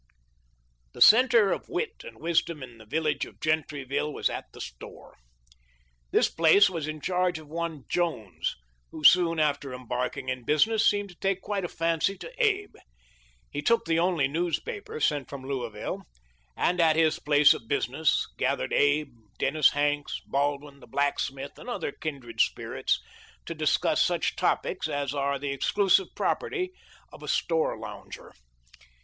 The centre of wit and wisdom in the village of Gentryville was at the store. This place was in charge of one Jones, who soon after embarking in business seemed to take quite a fancy to Abe. He took the only new.spaper — sent from Louisville — and at his place of business gathered Abe, Dennis Hanks, Baldwin, the blacksmith, and other kindred spirits to discuss such topics as are the exclusive property of the store lounger.